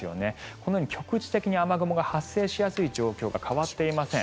このように局地的に雨雲が発生しやすい状況が変わっていません。